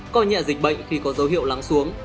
coi nhẹ dịch bệnh khi có dấu hiệu lắng xuống